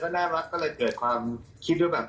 น่ารักก็เลยเกิดความคิดว่าแบบ